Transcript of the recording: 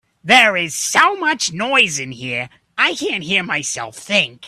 There is so much noise in here, I can't hear myself think.